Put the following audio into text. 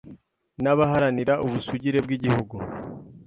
n’abaharanira ubusugire bw’Igihugu,